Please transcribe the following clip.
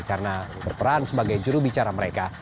karena berperan sebagai jurubicara mereka